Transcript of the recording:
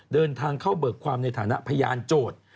เดินทางเข้าเบิกความในฐานะพยานโจทย์